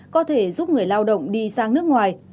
có thể giúp người lao động đi sang nước ngoài